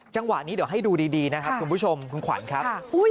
จังหวะนี้เดี๋ยวให้ดูดีนะครับคุณผู้ชมคุณขวัญครับ